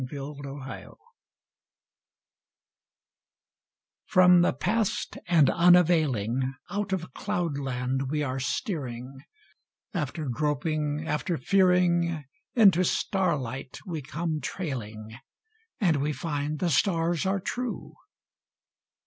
|99| THE PILOT From the Past and Unavailing Out of cloudland we are steering; After groping, after fearing, Into starlight we come trailing, And we find the stars are true.